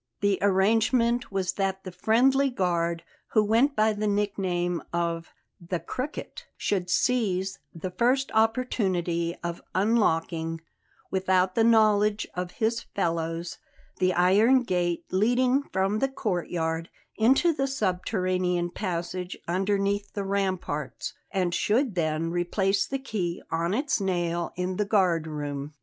The arrangement was that the friendly guard who went by the nickname of "The Cricket" should seize the first opportunity of unlocking, without the knowledge of his fellows, the iron gate leading from the courtyard into the subterranean passage underneath the ramparts, and should then replace the key on its nail in the guard room.